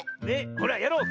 ほらやろう。